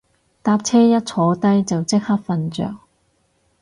搭車一坐低就即刻瞓着